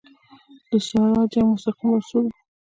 د ساړه جنګ مستقیم محصول وو.